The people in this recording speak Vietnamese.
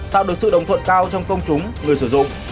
tạo được sự đồng thuận cao trong công chúng người sử dụng